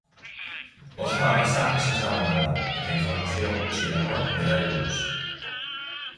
Oso arraza ezezaguna da, eta informazio gutxi dago berari buruz.